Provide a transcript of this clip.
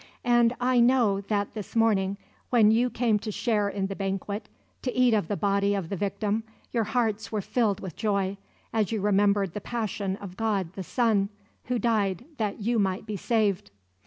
And I know that this morning, when you came to share in the banquet, to eat of the Body of the Victim, your hearts were filled with joy, as you remembered the Passion of God the Son, Who died, that you might be saved.